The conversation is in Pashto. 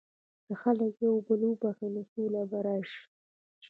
که خلک یو بل وبخښي، نو سوله به راشي.